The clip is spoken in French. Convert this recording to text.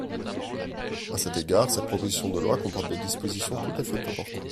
À cet égard, cette proposition de loi comporte des dispositions tout à fait importantes.